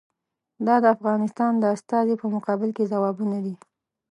دا د افغانستان د استازي په مقابل کې ځوابونه دي.